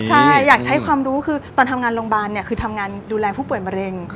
คือเราอยากให้ลูกค้ารู้สึกอบอุ่นสบายเหมือนอยู่บ้าน